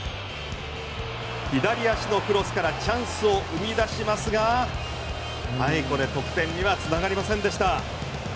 左足のクロスからチャンスを生み出しますがこれ、得点には繋がりませんでした。